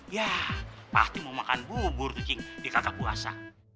ya pasti mau makan bubur kucing di kakak puasa